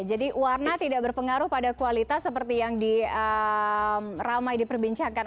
jadi warna tidak berpengaruh pada kualitas seperti yang ramai diperbincangkan